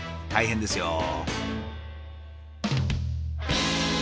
大変ですよ。